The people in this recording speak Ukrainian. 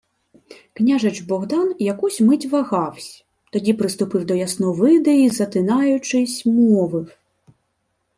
Княжич Богдан якусь мить вагавсь, тоді приступив до Ясновиди й, затинаючись, мовив: